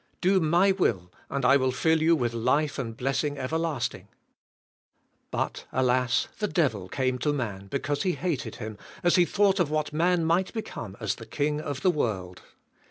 Do my will and I will fill you with life and blessing everlasting. But alas, the Devil came to man be cause he hated him as he thought of what man might become as the king of the world.